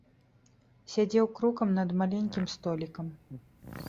Сядзеў крукам над маленькім столікам.